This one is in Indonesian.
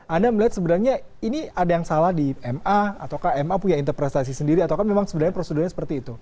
anda melihat sebenarnya ini ada yang salah di ma atau ma punya interpretasi sendiri atau memang sebenarnya prosedurnya seperti itu